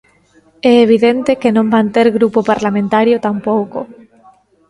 É evidente que non van ter grupo parlamentario tampouco.